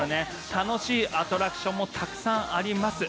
楽しいアトラクションもたくさんあります。